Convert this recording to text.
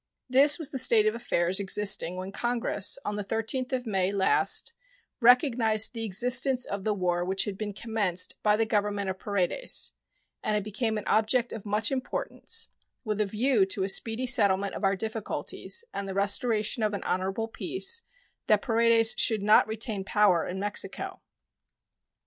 This was the state of affairs existing when Congress, on the 13th of May last, recognized the existence of the war which had been commenced by the Government of Paredes; and it became an object of much importance, with a view to a speedy settlement of our difficulties and the restoration of an honorable peace, that Paredes should not retain power in Mexico.